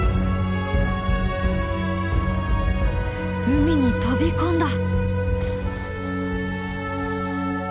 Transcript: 海に飛び込んだ！